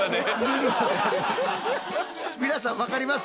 皆さんわかります？